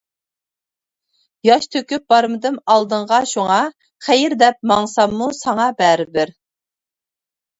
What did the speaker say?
ياش تۆكۈپ بارمىدىم ئالدىڭغا شۇڭا، خەير! دەپ ماڭساممۇ ساڭا بەرىبىر.